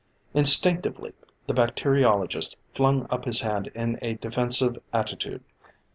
Instinctively the bacteriologist flung up his hand in a defensive attitude.